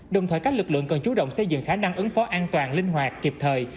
đồng thời các lực lượng cần chú động xây dựng khả năng ứng phó an toàn linh hoạt kịp thời